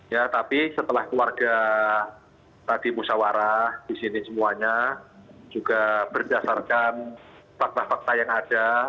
ya tapi setelah keluarga tadi musyawarah di sini semuanya juga berdasarkan fakta fakta yang ada